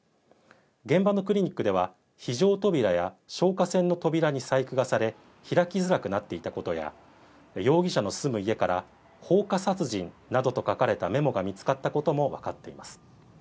現場のクリニックでは非常扉や消火栓の扉に細工がされ開きづらくなっていたことや、容疑者の住む家から「放火殺人」などと書かれたメモが見つかったこともわかっています。